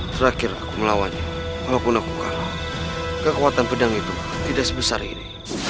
terakhir melawannya walaupun aku kalau kekuatan pedang itu tidak sebesar ini